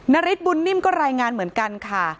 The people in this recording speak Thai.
ฤทธบุญนิ่มก็รายงานเหมือนกันค่ะ